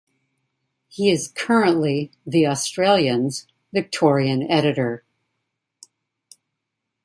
He is currently "The Australian's" Victorian editor.